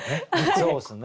そうですね。